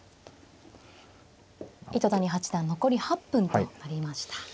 糸谷八段残り８分となりました。